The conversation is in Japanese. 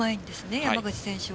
山口選手は。